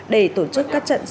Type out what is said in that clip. để tổ chức các trận đấu